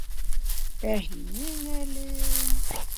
Ә һинең әле...